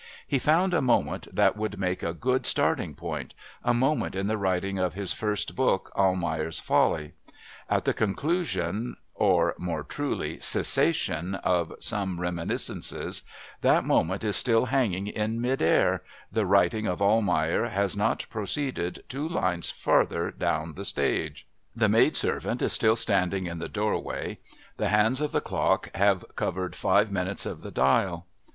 He found a moment that would make a good starting point, a moment in the writing of his first book, Almayer's Folly; at the conclusion or, more truly, cessation of Some Reminiscences, that moment is still hanging in mid air, the writing of Almayer has not proceeded two lines farther down the stage, the maid servant is still standing in the doorway, the hands of the clock have covered five minutes of the dial.